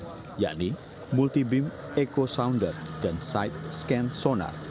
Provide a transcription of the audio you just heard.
dan peralatan canggih yakni multi beam echo sounder dan side scan sonar